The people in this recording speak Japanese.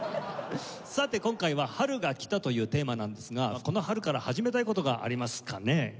さて今回は「春が来た」というテーマなんですがこの春から始めたい事がありますかね？